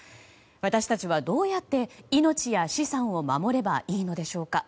私たちはどうやって命や資産を守ればいいのでしょうか。